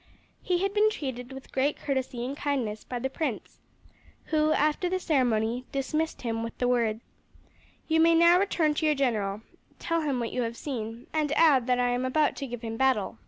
He had been treated with great courtesy and kindness by the prince, who, after the ceremony, dismissed him with the words, "You may now return to your general; tell him what you have seen, and add that I am about to give him battle."